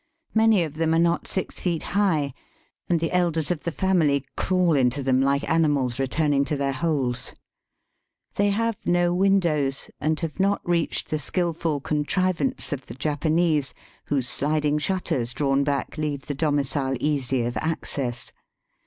Many of them are not six feet high, and the VOL. u. 30 Digitized by VjOOQIC 162 EAST BY WEST. elders of the family crawl into them like animals returning to their holes. They have no windows, and have not reached the skilful contrivance of the Japanese, whose sliding shutters drawn back leave the domicile easy of access.